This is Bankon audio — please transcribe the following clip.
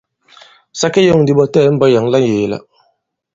Sa ke yɔ᷇ŋ ndi ɓɔ latɛɛ̀ni i mbɔk yǎŋ la ŋyēe-la.